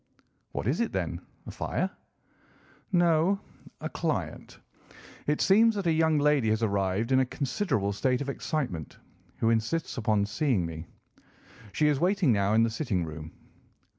"What is it, then—a fire?" "No; a client. It seems that a young lady has arrived in a considerable state of excitement, who insists upon seeing me. She is waiting now in the sitting room.